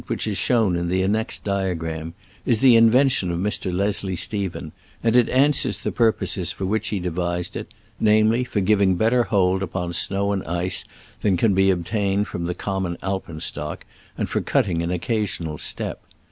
which is shown in the annexed diagram is the invention of Mr. Leslie Stephen, and it answers the purposes for which he devised it — namely, for giving better hold upon snow and ice than can be obtained from the com mon alpenstock, and for cutting an occasional step.